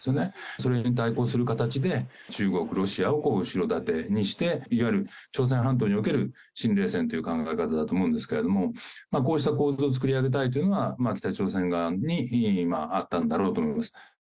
それに対抗する形で、中国、ロシアを後ろ盾にして、いわゆる朝鮮半島における新冷戦っていう考え方だと思うんですけれども、こうした構図を作り上げたいというのが、北朝鮮側にあったんだろうと思います。